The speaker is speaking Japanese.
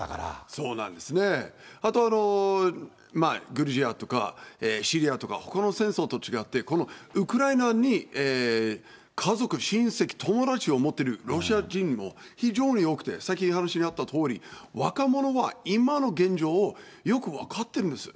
あとグルジアとかシリアとかほかの戦争と違って、このウクライナに家族、親戚、友達を持ってるロシア人も非常に多くて、さっきお話があったとおり、若者は今の現状をよく分かってるんです。